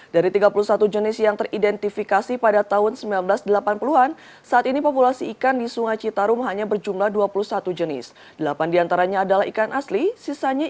dari tiga puluh satu jenis yang teridentifikasi pada tahun seribu sembilan ratus delapan puluh an saat ini populasi ikan di sungai citarum hanya berjumlah dua puluh satu jenis